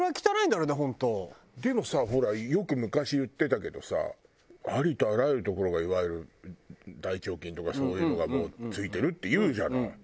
でもさほらよく昔言ってたけどさありとあらゆる所がいわゆる大腸菌とかそういうのが付いてるっていうじゃない。